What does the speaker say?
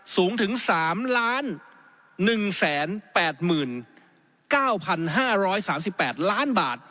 สูงถึง๓๑๘๙๕๓๘ล้านบาท